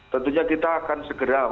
tentunya kita akan segera